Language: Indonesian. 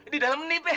di dalam nih peh